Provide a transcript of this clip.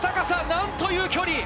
なんという距離！